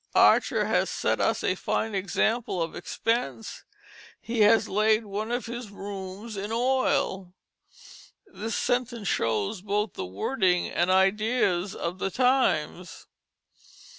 Archer has set us a fine example of expense, he has laid one of his rooms in oil." This sentence shows both the wording and ideas of the times.